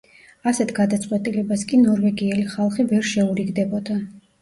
ასეთ გადაწყვეტილებას კი ნორვეგიელი ხალხი ვერ შეურიგდებოდა.